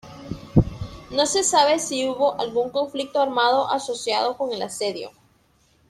No se sabe si hubo algún conflicto armado asociado con el asedio.